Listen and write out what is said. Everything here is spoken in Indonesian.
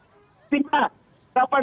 jadi delapan pekerjaan di sarawet